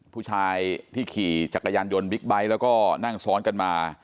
ผู้ชายที่ขี่จักรยานยนต์บิ๊กไบท์แล้วก็นั่งซ้อนกันมา